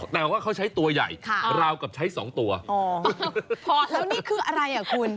แต่ว่าเขาใช้ตัวใหญ่ราวกับใช้สองตัวอ๋อพอแล้วนี่คืออะไรอ่ะคุณ